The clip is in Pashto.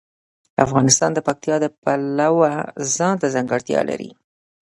افغانستان د پکتیکا د پلوه ځانته ځانګړتیا لري.